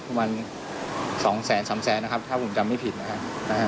ประมาณสองแสนสามแสนนะครับถ้าผมจำไม่ผิดนะครับนะฮะ